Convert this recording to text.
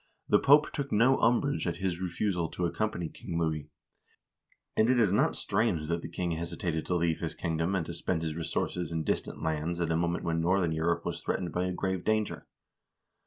CRUSADES AND CRUSADERS 431 Pope took no umbrage at his refusal to accompany King Louis ; and it is not strange that the king hesitated to leave his kingdom, and to spend his resources in distant lands at a moment when northern Europe was threatened by a grave danger.